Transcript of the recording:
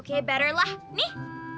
oke better lah nih